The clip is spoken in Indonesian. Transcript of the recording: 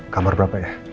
kamar berapa ya